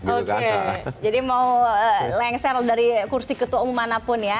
oke jadi mau lengsel dari kursi ketua umum manapun ya